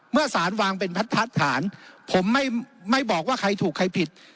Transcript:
เมื่อสารวางเป็นพัดฐานผมไม่บอกว่าใครถูกใครผิด